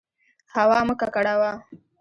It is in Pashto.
هوا مه ککړوه.